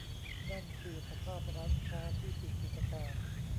นั่นคือสภาพร้านค้าที่ปิดกิจการ